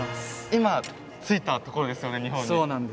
今着いたところですよね日本に。